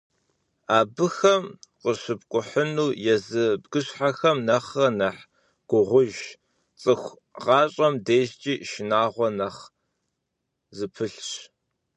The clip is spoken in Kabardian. Абыхэм къыщыпкIухьыну езы бгыщхьэхэм нэхърэ нэхъ гугъужщ, цIыху гъащIэм дежкIи шынагъуэ нэхъ зыпылъщ.